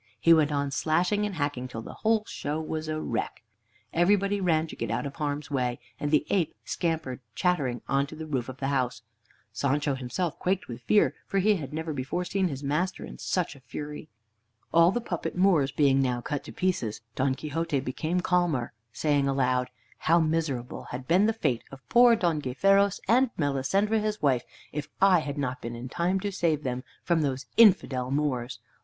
He went on slashing and hacking till the whole show was a wreck. Everybody ran to get out of harm's way, and the ape scampered, chattering, on to the roof of the house. Sancho himself quaked with fear, for he had never before seen his master in such a fury. All the puppet Moors being now cut to pieces, Don Quixote became calmer, saying aloud, "How miserable had been the fate of poor Don Gayferos and Melisendra his wife if I had not been in time to save them from those infidel Moors!